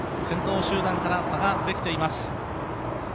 先頭集団から差ができています。